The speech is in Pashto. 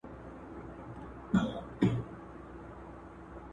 ايا ازاده مطالعه د فکري ودې لپاره ښه ده؟